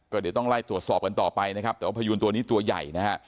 ก็เดี๋ยวต้องไล่ตรวจสอบกันต่อไปนะครับแต่ว่าพยูนตัวนี้ตัวใหญ่นะฮะ